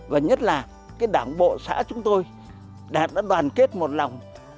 và nhất là đảng bộ xã chúng tôi đạt đã đoàn kết một lòng